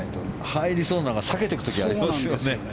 入りそうなのが避けていく時ありますよね。